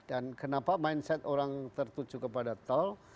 dan kenapa mindset orang tertuju kepada tol